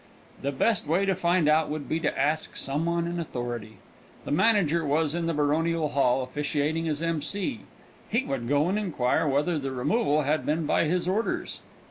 The best way to find out would be to ask some one in authority. The manager was in the Baronial Hall, officiating as M.C.; he would go and inquire whether the removal had been by his orders.